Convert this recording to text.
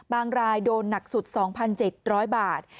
รายโดนหนักสุด๒๗๐๐บาท